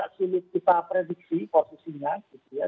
ekonomi tiongkok ini agak sulit kita prediksi posisinya gitu ya